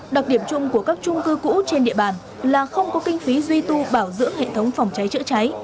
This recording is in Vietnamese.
đặc điểm chung của các trung cư cũ trên địa bàn là không có kinh phí duy tu bảo dưỡng hệ thống phòng cháy chữa cháy